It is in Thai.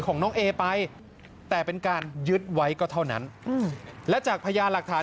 ของน้องเอไปแต่เป็นการยึดไว้ก็เท่านั้นและจากพยานหลักฐาน